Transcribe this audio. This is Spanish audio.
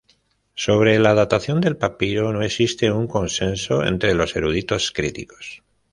Sobre la datación del papiro no existe un consenso entre los eruditos críticos.